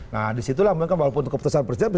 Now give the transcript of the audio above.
nah disitulah memang walaupun keputusan presiden